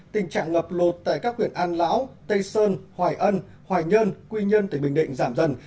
tình trạng ngập lột tại các quyền an lão tây sơn hoài ân hoài nhân quy nhân tỉnh bình định giảm dần